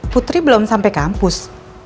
putri belum sampai kampus